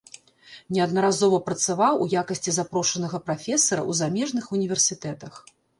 Неаднаразова працаваў у якасці запрошанага прафесара ў замежных універсітэтах.